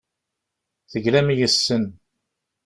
Teglam yes-sen.